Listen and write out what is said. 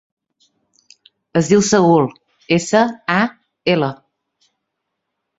Es diu Saül: essa, a, ela.